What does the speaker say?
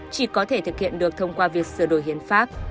chỉ có thể thực hiện được thông qua việc sửa đổi hiến pháp